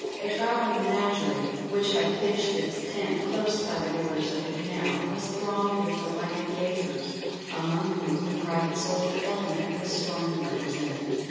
A travelling menagerie, which had pitched its tent close by the borders of the canal, was thronged with delighted gazers, among whom the private soldier element was strongly represented.